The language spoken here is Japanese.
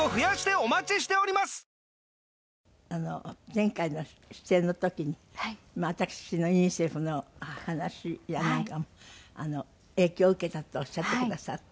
前回の出演の時に私のユニセフの話やなんかも影響を受けたっておっしゃってくださって。